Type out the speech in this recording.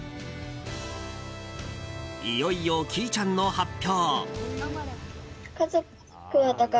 いよいよ、きいちゃんの発表。